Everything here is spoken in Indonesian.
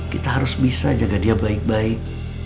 kita harus bisa jaga dia baik baik